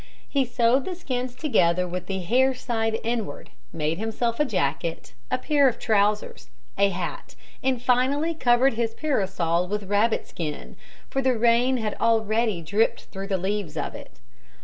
He sewed the skins together with the hair side inward, made himself a jacket, a pair of trousers, a hat, and finally covered his parasol with rabbit skin, for the rain had already dripped through the leaves of it.